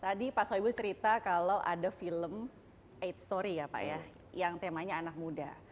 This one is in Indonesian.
tadi pak soebus cerita kalau ada film aids story ya pak ya yang temanya anak muda